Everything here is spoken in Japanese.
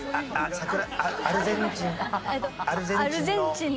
「アルゼンチンの」。